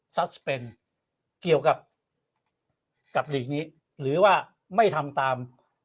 ซัสเป็นเกี่ยวกับหลีกนี้หรือว่าไม่ทำตาม